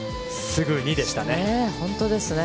すぐにでしたね。